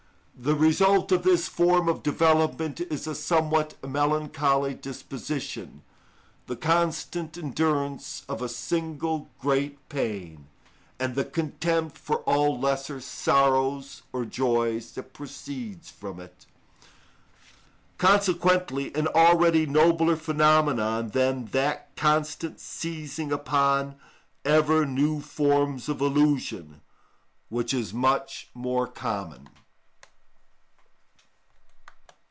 The result of this form of development is a somewhat melancholy disposition, the constant endurance of a single great pain, and the contempt for all lesser sorrows or joys that proceeds from it; consequently an already nobler phenomenon than that constant seizing upon ever new forms of illusion, which is much more common.